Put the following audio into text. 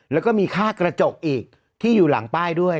แล้วก็มีค่ากระจกอีกที่อยู่หลังป้ายด้วย